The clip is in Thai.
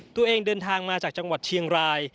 ตัวเองเดินทางมาจากจังหวัดเชียงราย